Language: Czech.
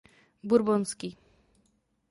Bourbonský.